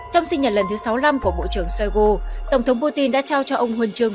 trong sinh nhật lần thứ sáu mươi năm của bộ trưởng shoigo tổng thống putin đã trao cho ông huân chương